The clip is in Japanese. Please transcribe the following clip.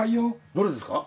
どれですか？